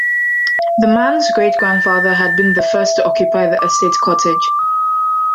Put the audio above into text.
The man's great-grandfather had been the first to occupy the estate cottage.